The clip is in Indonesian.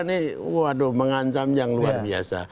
ini waduh mengancam yang luar biasa